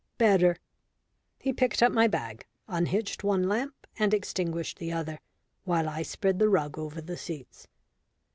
"Better." He picked up my bag, unhitched one lamp, and extinguished the other, while I spread the rug over the seats.